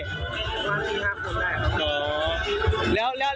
มาสี่ห้าคนได้ครับ